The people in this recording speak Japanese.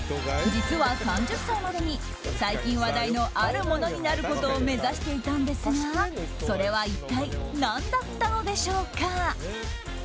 実は３０歳までに最近、話題のあるものになることを目指していたんですがそれは一体何だったのでしょうか？